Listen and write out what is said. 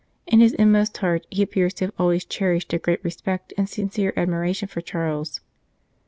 In his inmost heart he appears to have always cherished 114 Another Ambrose a great respect and sincere admiration for Charles.